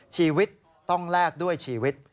ชีวิตต้องแลกด้วยชีวิต